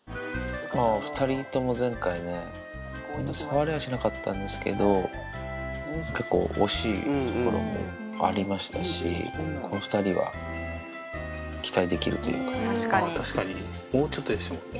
２人とも前回ね、触れはしなかったんですけど、結構、惜しいところもありましたし、この２人確かに、もうちょっとでしたもんね。